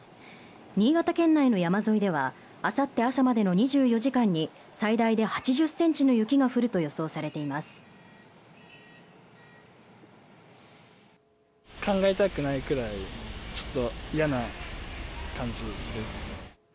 新潟県内の山沿いではあさって朝までの２４時間に最大で８０センチの雪が降ると予想されています